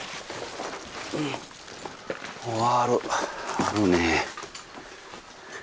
あるね。